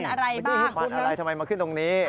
ไม่ได้เห็ดพันธุ์อะไรทำไมมาขึ้นตรงนี้